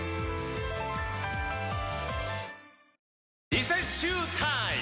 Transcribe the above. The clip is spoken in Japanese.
リセッシュータイム！